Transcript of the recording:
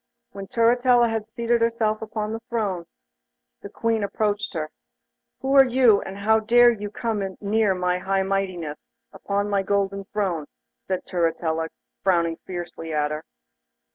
When Turritella had seated herself upon the throne, the Queen approached her. 'Who are you, and how dare you come near my high mightiness, upon my golden throne?' said Turritella, frowning fiercely at her.